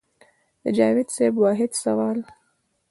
د جاوېد صېب واحد سوال